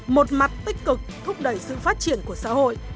một mặt tích cực thúc đẩy sự phát triển của xã hội